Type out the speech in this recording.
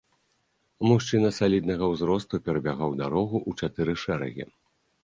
Мужчына саліднага ўзросту перабягаў дарогу ў чатыры шэрагі.